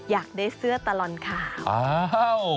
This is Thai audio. อยากได้เสื้อตลอดข่าวอ้าว